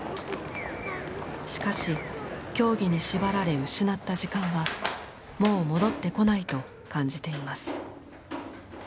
しかし教義に縛られ失った時間はもう戻ってこないと感じています。